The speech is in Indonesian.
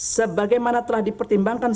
sebagaimana telah dipertimbangkan